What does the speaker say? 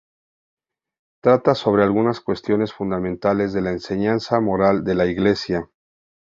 Trata sobre algunas cuestiones fundamentales de la Enseñanza Moral de la Iglesia.